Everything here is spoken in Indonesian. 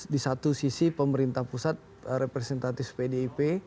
di satu sisi pemerintah pusat representatif pdip